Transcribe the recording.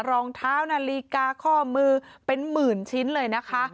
รองเท้านาฬิกาข้อมือเป็นหมื่นชิ้นเลยนะคะ